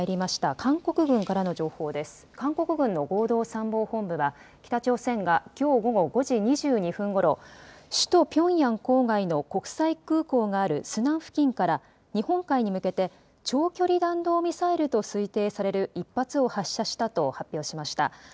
韓国軍の合同参謀本部は北朝鮮がきょう午後５時２２分ごろ首都ピョンヤン郊外の国際空港があるスナン付近から日本海に向けて長距離弾道ミサイルと推定される１発を発射したと発表しました。